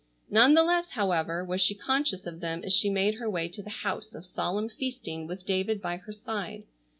None the less, however, was she conscious of them as she made her way to the house of solemn feasting with David by her side.